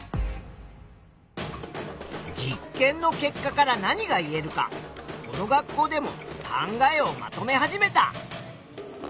実験の結果から何が言えるかこの学校でも考えをまとめ始めた。